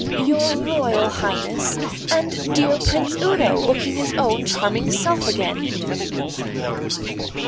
"Your Royal Highness! And dear Prince Udo, looking his own charming self again!"